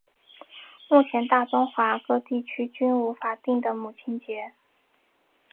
目前大中华各地区均无法定的母亲节。